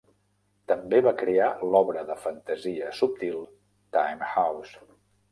També va crear l'obra de fantasia subtil "Timehouse".